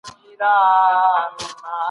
څېړونکي به له ډېر وخته په دې موضوع کار کړی وي.